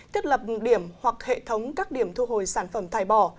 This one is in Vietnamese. thiết lập điểm hoặc hệ thống các điểm thu hồi sản phẩm thải bỏ